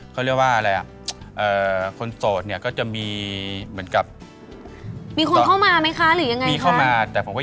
แต่ทุกวันนี้ยังไม่มีแม้แต่คนแรกเลยค่ะ